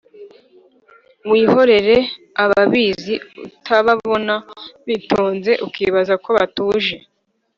Wihorere ababizi Utababona bitonze Ukibaza ko batuje: